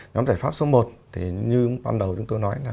nhóm giải pháp số một thì như ban đầu chúng tôi nói là